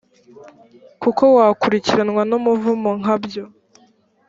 kuko wakurikiranwa n’umuvumo nka byo.